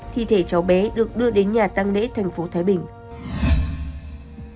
thi thể cháu bé được đưa đến nhà tăng lễ tp thái bình